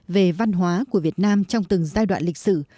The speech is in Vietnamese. về văn hóa của việt nam trong từng giai đoạn lịch sử